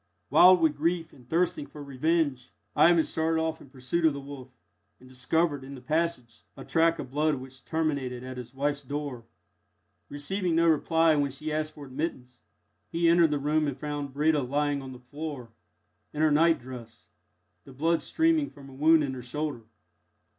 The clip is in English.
Wild with grief and thirsting for revenge, Ivan started off in pursuit of the wolf, and discovered, in the passage, a track of blood which terminated at his wife's door. Receiving no reply when he asked for admittance, he entered the room and found Breda lying on the floor, in her nightdress, the blood streaming from a wound in her shoulder.